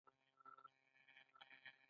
ښوونکی موضوع په ساده ژبه ټولو ته تشريح کړه.